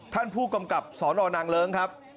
ท่านผู้กำกับสนนางเลิ้งครับ